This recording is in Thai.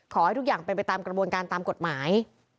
ขอให้ทุกอย่างเป็นไปตามกระบวนการตามกฎหมาย